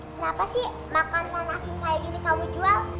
kenapa sih makan tanah asin kayak gini kamu jual